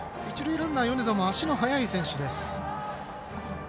ランナー米田も足の速い選手です。